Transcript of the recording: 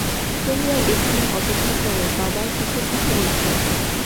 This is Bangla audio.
তোমরা এখানে অপেক্ষা কর - বাবা, কিসের কথা বলছ?